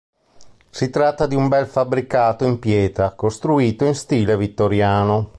Si tratta di un bel fabbricato in pietra costruito in stile vittoriano.